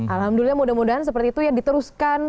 alhamdulillah mudah mudahan seperti itu ya diteruskan